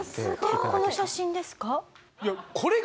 この写真ですか？